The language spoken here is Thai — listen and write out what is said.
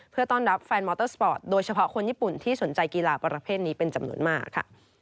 เพื่อต้อนรับแฟนมอเตอร์สปอร์ตโดยเฉพาะคนญี่ปุ่นที่สนใจกีฬาประเภทนี้เป็นจำนวนมากค่ะ